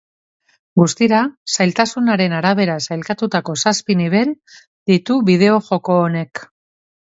Guztira zailtasunaren arabera sailkatutako zazpi nibel ditu bideo-joko honek.